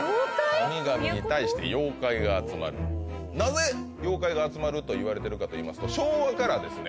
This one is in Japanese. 神々に対して妖怪が集まるなぜ妖怪が集まるといわれてるかといいますと昭和からですね